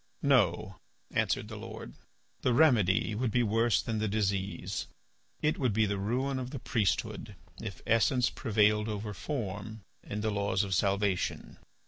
"No," answered the Lord. "The remedy would be worse than the disease. It would be the ruin of the priesthood if essence prevailed over form in the laws of salvation."